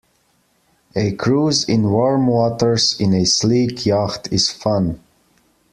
A cruise in warm waters in a sleek yacht is fun.